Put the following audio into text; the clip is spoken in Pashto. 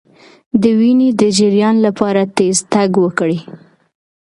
د وینې د جریان لپاره تېز تګ وکړئ